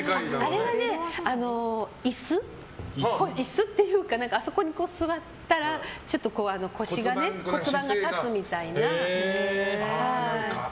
あれはね、椅子っていうかあそこに座ったらちょっと骨盤が立つみたいな。